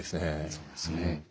そうですね。